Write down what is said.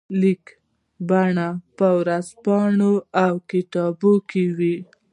لیکلي بڼه په ورځپاڼه او کتاب کې وي.